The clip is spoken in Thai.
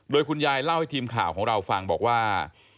โดยคุณยายเล่าให้ทีมข่าวของเราฟังบอกว่า